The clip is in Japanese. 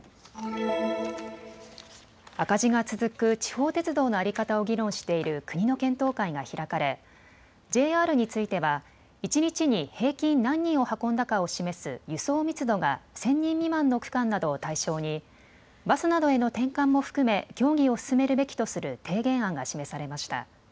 赤字が続く地方鉄道の在り方を議論している国の検討会が開かれＪＲについては一日に平均何人を運んだかを示す輸送密度が１０００人未満の区間などを対象に、バスなどへの転換も含め協議を進めるべきとする提言案が示されました。